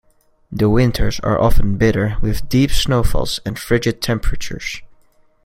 The winters are often bitter with deep snowfalls and frigid temperatures.